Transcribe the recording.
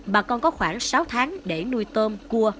bà con có khoảng sáu tháng để nuôi tôm cua